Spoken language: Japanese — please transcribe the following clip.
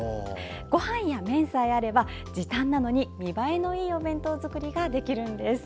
ごはんや麺さえあれば時短なのに見栄えのいいお弁当作りができるんです。